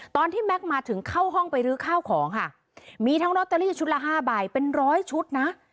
แม็กซ์มาถึงเข้าห้องไปรื้อข้าวของค่ะมีทั้งลอตเตอรี่ชุดละห้าใบเป็นร้อยชุดนะ